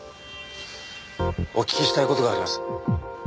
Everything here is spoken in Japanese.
お聞きしたい事があります。